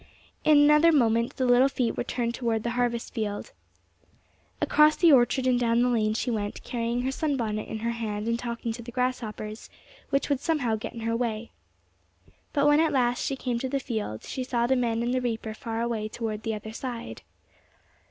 In another moment the little feet were turned toward the harvest field. Across the orchard and down the lane she went, carrying her sunbonnet in her hand and talking to the grasshoppers, which would somehow get in her way. But when at last she came to the field, she saw the men and the reaper far away toward the other side.